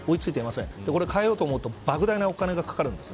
これを変えようと思うと莫大なお金がかかるんです。